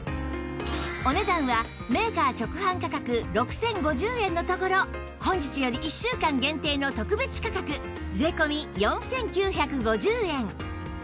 お値段はメーカー直販価格６０５０円のところ本日より１週間限定の特別価格税込４９５０円